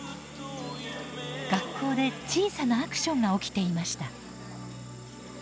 学校で小さなアクションが起きていました。